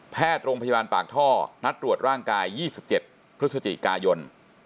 โรงพยาบาลปากท่อนัดตรวจร่างกาย๒๗พฤศจิกายน